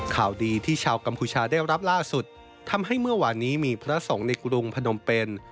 ข่าวดีที่ชาวกัมพูชาได้รับล่าสุดทำให้เมื่อวานนี้มีพระสงฆ์ในกรุงพนมเป็น